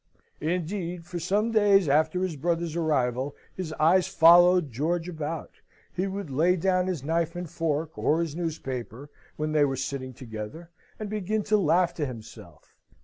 Indeed, for some days after his brother's arrival his eyes followed George about: he would lay down his knife and fork, or his newspaper, when they were sitting together, and begin to laugh to himself.